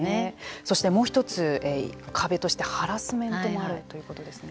そしてもう一つ、壁としてハラスメントもあるということですね。